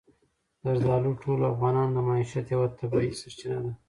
زردالو د ټولو افغانانو د معیشت یوه طبیعي سرچینه ده.